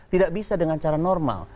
tidak bisa dengan cara normal